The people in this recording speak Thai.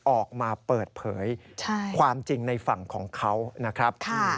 ออกมาเปิดเผยความจริงในฝั่งของเขานะครับ